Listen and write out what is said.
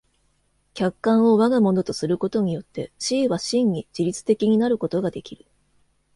客観を我が物とすることによって思惟は真に自律的になることができる。